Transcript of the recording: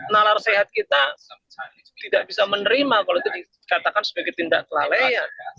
nalar sehat kita tidak bisa menerima kalau itu dikatakan sebagai tindak kelalaian